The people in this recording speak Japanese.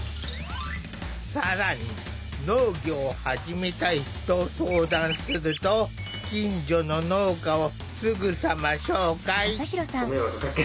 更に農業を始めたいと相談すると近所の農家をすぐさま紹介。